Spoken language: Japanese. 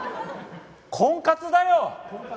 「婚活」だよ！